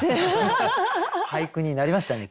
俳句になりましたね